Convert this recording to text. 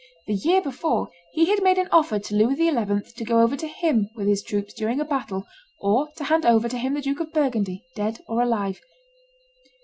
The year before, he had made an offer to Louis XI. to go over to him with his troops during a battle, or to hand over to him the Duke of Burgundy, dead or alive.